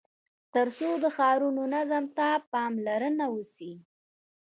تر څو د ښارونو نظم ته پاملرنه وسي.